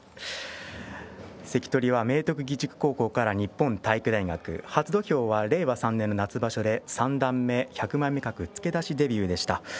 関取は明徳義塾高校から日本体育大学、初土俵は令和３年夏場所で三段目１００枚目格付け出しのデビューでした。